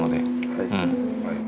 はい。